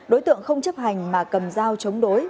đối tượng không chấp hành mà cầm dao chống đối